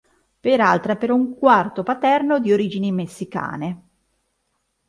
Peralta è per un quarto paterno di origini messicane.